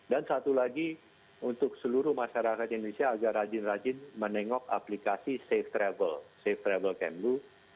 dan satu lagi untuk seluruh masyarakat indonesia agar rajin rajin menengok aplikasi safe travel safe travel kmdu